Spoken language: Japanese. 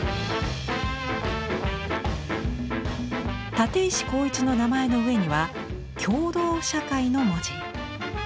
立石紘一の名前の上には「共同社会」の文字。